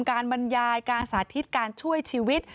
บรรยายการสาธิตการช่วยชีวิต